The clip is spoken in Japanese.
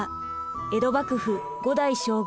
江戸幕府５代将軍